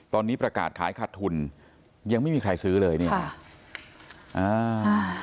ตอนนี้ประกาศขายขาดทุนยังไม่มีใครซื้อเลยเนี่ยค่ะอ่า